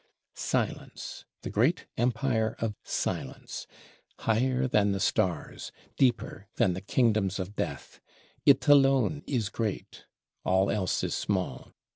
Silence, the great Empire of Silence: higher than the stars; deeper than the Kingdoms of Death! It alone is great; all else is small.